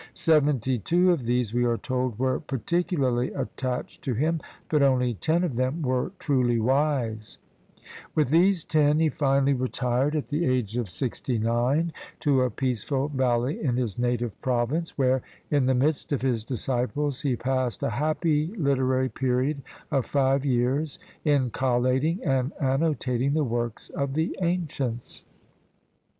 Seventy two of these, we are told, were particu larly attached to him, but only ten of them were "truly wise," With these ten he finally retired, at the age of sixty nine, to a peaceful valley in his native province, where, in the midst of his disciples, he passed a happy literary period of five years, in collating and annotating the works of the ancients.